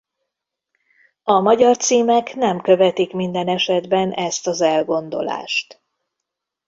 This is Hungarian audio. A magyar címek nem követik minden esetben ezt az elgondolást.